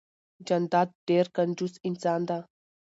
جانداد ډیررر کنجوس انسان ده